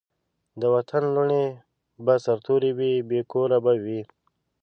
د وطن لوڼي به سرتوري وي بې کوره به وي